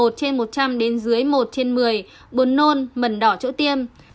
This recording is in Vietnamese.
một trên một trăm linh đến dưới một trên một mươi bốn nôn mẩn đỏ chỗ tiêm